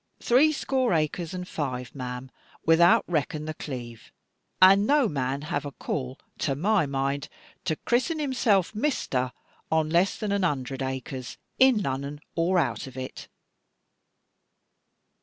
Threescore acres and five, ma'am, without reckon the Cleeve, and no man have a call, to my mind, to christen himself "Mister" on less than a hundred acres, in Lunnon or out of it.